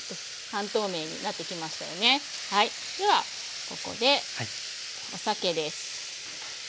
ではここでお酒です。